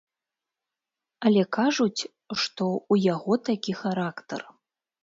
Але кажуць, што ў яго такі характар.